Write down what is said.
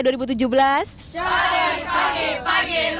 selamat pagi pagi pagi luar biasa